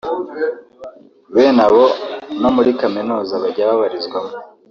Bene abo no muri kaminuza bajya babarizwamo